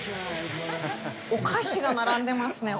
お菓子が並んでますね。